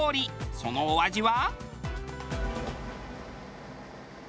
そのお味は？